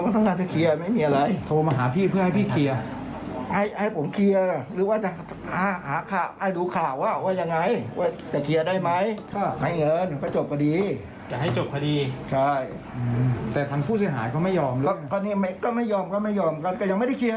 แต่ทางผู้ชายหายเขาไม่ยอมเลยก็ไม่ยอมก็ไม่ยอมก็ยังไม่ได้เคลียร์